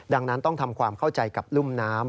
ดังนั้นต้องทำความเข้าใจกับรุ่มน้ำ